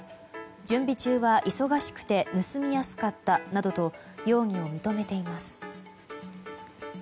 準備中は忙しくて盗みやすかったなどと容疑を認めています。